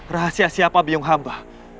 rahasia siapa biung hamba